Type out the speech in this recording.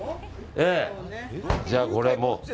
じゃあ、これも。